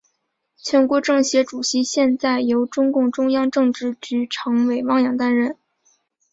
全国政协主席现在由中共中央政治局常委汪洋担任。